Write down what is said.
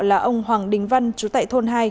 là ông hoàng đình văn chú tại thôn hai